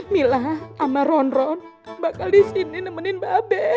mila sama ron ron bakal disini nemenin babe